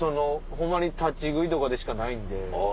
ホンマに立ち食いとかでしかないんで。